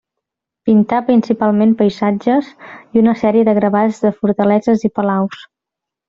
Pintà principalment paisatges i una sèrie de gravats de fortaleses i palaus.